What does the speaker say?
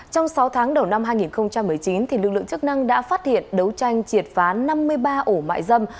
trong sáu tháng đầu năm hai nghìn một mươi chín lực lượng chức năng đã phát hiện đấu tranh triệt phá năm mươi ba ổ mại dâm